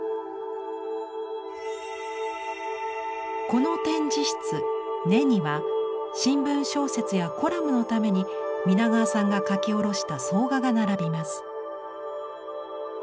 この展示室「根」には新聞小説やコラムのために皆川さんが描き下ろした挿画が並びます。